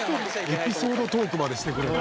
「エピソードトークまでしてくれるんや」